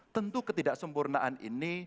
tentu ketidaksempurnaan ini